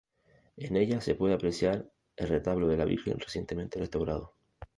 En ella se puede apreciar el retablo de la Virgen recientemente restaurado.